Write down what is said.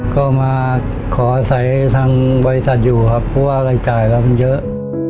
ก็มาขอใส่ทางบริษัทอยู่ครับเพราะว่าอะไรจ่ายแล้วมันเยอะ